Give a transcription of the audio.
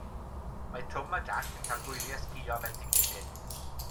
Mae Twm a Jac yn cael gwyliau sgïo bendigedig.